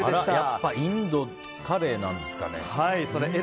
やっぱりインドカレーなんですかね。